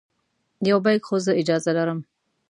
یو بیک خو زه اجازه لرم.